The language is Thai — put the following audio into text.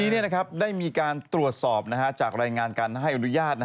ครั้งนี้ได้มีการตรวจสอบนะครับจากรายงานการให้อนุญาต